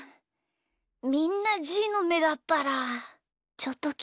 みんなじーのめだったらちょっときもちわるかった。